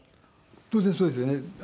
当然そうですよね。